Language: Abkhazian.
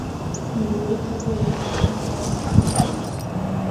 Иҩуеит апоет иан длазҵаауа…